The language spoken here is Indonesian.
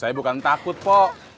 saya bukan takut pok